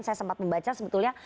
saya sempat membaca sebetulnya